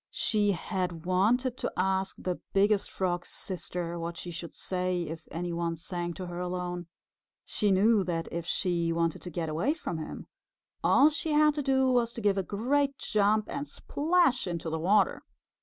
She had wanted to ask the Biggest Frog's Sister what she should say if any one sang to her alone. She knew that if she wanted to get away from him, all she had to do was to give a great jump and splash into the water.